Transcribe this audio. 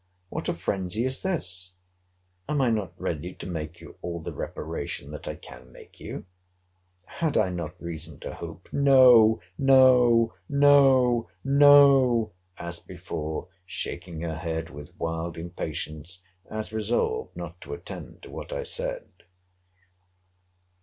What a phrensy is this! Am I not ready to make you all the reparation that I can make you? Had I not reason to hope— No, no, no, no, as before, shaking her head with wild impatience, as resolved not to attend to what I said.